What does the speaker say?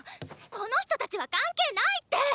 この人達は関係ないって！